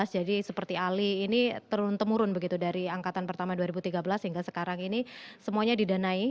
jadi seperti ali ini temurun temurun begitu dari angkatan pertama dua ribu tiga belas hingga sekarang ini semuanya didanai